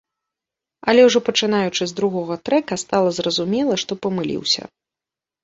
Але ўжо пачынаючы з другога трэка, стала зразумела, што памыліўся.